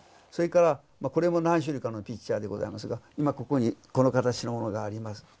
それからこれも何種類かのピッチャーでございますが今ここにこの形のものがあります。